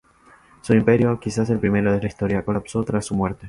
Su imperio, quizá el primero de la historia, colapsó tras su muerte.